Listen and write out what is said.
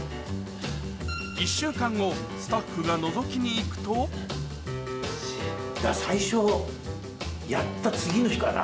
スタッフがのぞきに行くと最初やった次の日かな？